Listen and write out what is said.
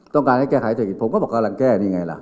ต้องการให้แก้ไขเศรษฐกิจผมก็บอกกำลังแก้นี่ไงล่ะ